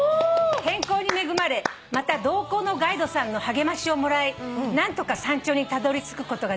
「天候に恵まれまた同行のガイドさんの励ましをもらい何とか山頂にたどりつくことができました」